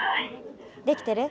できてる？